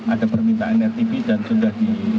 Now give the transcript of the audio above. ada permintaan rtb dan sudah di